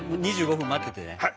２５分待っててね。